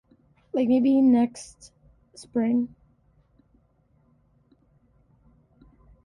He was just thirteen years old at the time.